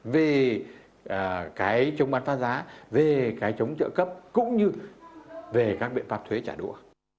về cái chống bán phá giá về cái chống trợ cấp cũng như về các biện pháp thuế trả đũa